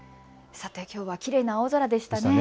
さてきょうはきれいな青空でしたね。